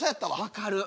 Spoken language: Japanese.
分かる。